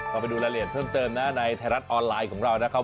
ก็ไปดูรายละเอียดเพิ่มเติมนะในไทยรัฐออนไลน์ของเรานะครับ